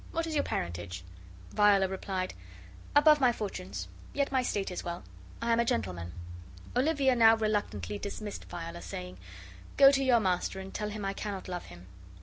"What is your parentage?'" Viola replied: "Above my fortunes, yet my state is well. I am a gentleman." Olivia now reluctantly dismissed Viola, saying: "Go to your master and tell him I cannot love him.